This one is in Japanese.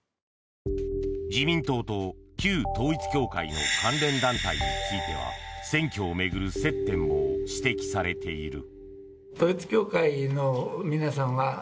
自民党と旧統一教会の関連団体については選挙を巡る接点も指摘されている。